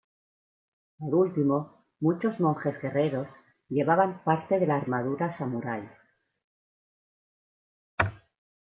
Por último, muchos monjes guerreros llevaban parte de la armadura samurai.